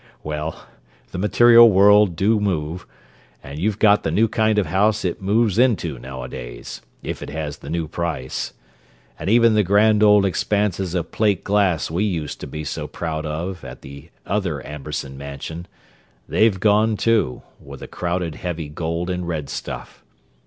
Well, the material world do move, and you've got the new kind of house it moves into nowadays—if it has the new price! And even the grand old expanses of plate glass we used to be so proud of at the other Amberson Mansion—they've gone, too, with the crowded heavy gold and red stuff.